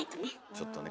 ちょっとね